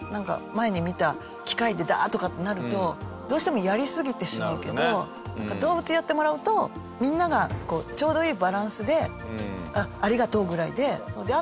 前に見た機械でダーッとかってなるとどうしてもやりすぎてしまうけど動物にやってもらうとみんながあと誰かがゴミ集めてるんだなみたいな。